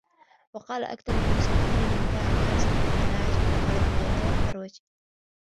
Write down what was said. وَقَالَ أَكْثَمُ بْنُ صَيْفِيٍّ مَنْ بَاعَ الْحِرْصَ بِالْقَنَاعَةِ ظَفَرَ بِالْغِنَى وَالثَّرْوَةِ